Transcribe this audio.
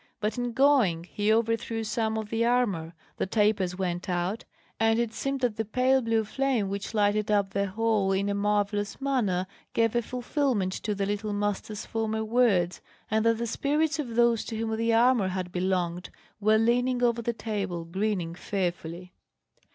But in going he overthrew some of the armour, the tapers went out, and it seemed that the pale blue flame which lighted up the whole in a marvellous manner gave a fulfilment to the little Master's former words: and that the spirits of those to whom the armour had belonged were leaning over the table, grinning fearfully.